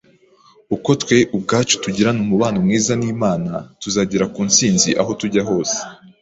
Uko twe ubwacu tugirana umubano mwiza n’Imana, tuzagera ku nsinzi aho tujya hose